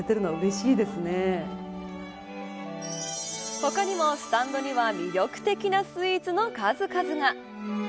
他にもスタンドには魅力的なスイーツの数々が。